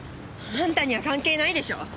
あんたには関係ないでしょ！